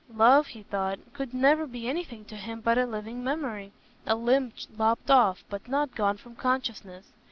Love, he thought, could never be anything to him but a living memory—a limb lopped off, but not gone from consciousness.